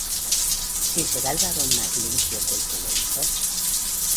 ¿Si será el varón más limpio que el que lo hizo?